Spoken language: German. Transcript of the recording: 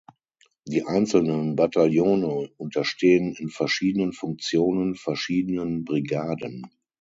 Die einzelnen Bataillone unterstehen in verschiedenen Funktionen verschiedenen Brigaden.